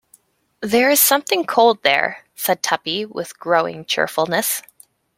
"There is something cold there," said Tuppy, with growing cheerfulness.